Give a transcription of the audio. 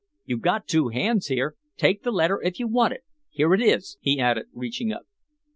"You got two hands; here, take the letter if you want it; here it is," he added, reaching up.